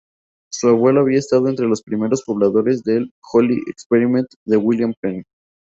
Su abuelo había estado entre los primeros pobladores del "Holy Experiment" de William Penn.